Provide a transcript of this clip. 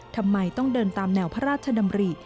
ทำไมต้องเดินตามแนวพระราชดำริ